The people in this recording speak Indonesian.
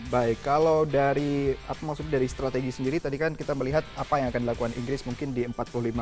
baik kalau dari strategi sendiri tadi kan kita melihat apa yang akan dilakukan inggris mungkin di empat puluh lima tahun